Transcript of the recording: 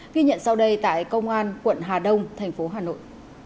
ghi nhận sau đây tại công an quận hà đông thành phố hà nội